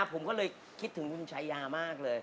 ผมก็เลยคิดถึงคุณชายามากเลย